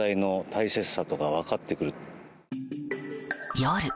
夜。